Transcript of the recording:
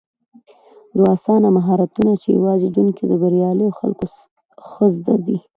دوه اسانه مهارتونه چې يوازې ژوند کې د برياليو خلکو ښه زده دي